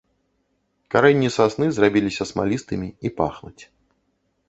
Карэнні сасны зрабіліся смалістымі і пахнуць.